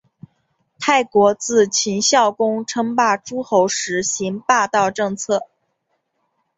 秦国自秦孝公称霸诸候时行霸道政策。